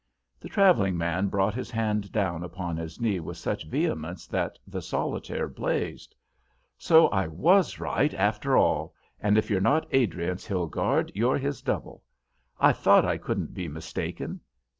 The travelling man brought his hand down upon his knee with such vehemence that the solitaire blazed. "So I was right after all, and if you're not Adriance Hilgarde you're his double. I thought I couldn't be mistaken.